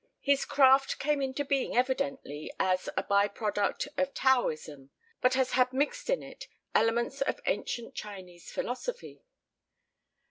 His craft came into being evidently as a by product of Taoism, but has had mixed in it elements of ancient Chinese philosophy.